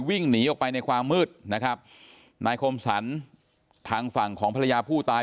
วิ่งหนีออกไปในความมืดนะครับนายคมสรรทางฝั่งของภรรยาผู้ตาย